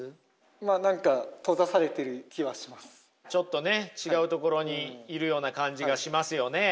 まあ何かちょっとね違うところにいるような感じがしますよね。